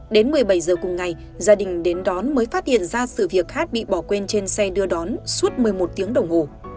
đến một mươi bảy giờ cùng ngày gia đình đến đón mới phát hiện ra sự việc hát bị bỏ quên trên xe đưa đón suốt một mươi một tiếng đồng hồ